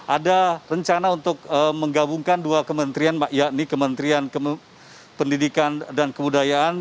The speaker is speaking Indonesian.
ada rencana untuk menggabungkan dua kementerian yakni kementerian pendidikan dan kebudayaan